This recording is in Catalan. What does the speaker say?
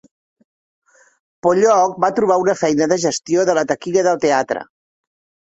Pollock va trobar una feina de gestió de la taquilla del teatre.